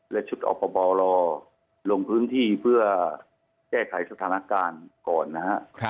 และชุดอพบรอลงพื้นที่เพื่อแก้ไขสถานการณ์ก่อนนะฮะ